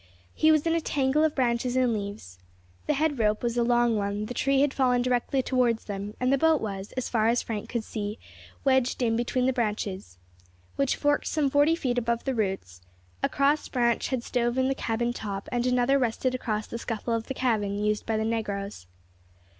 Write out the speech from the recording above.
He was in a tangle of branches and leaves. The head rope was a long one; the tree had fallen directly towards them, and the boat was, as far as Frank could see, wedged in between the branches, which forked some forty feet above the roots; a cross branch had stove in the cabin top, and another rested across the scuttle of the cabin used by the negroes.